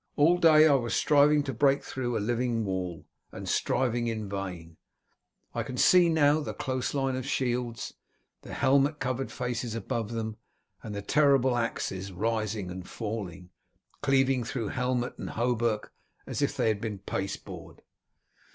All day I was striving to break through a living wall, and striving in vain. I can see now the close line of shields, the helmet covered faces above them, and the terrible axes rising and falling, cleaving through helmet and hauberk as if they had been pasteboard.